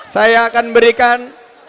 saya akan berikan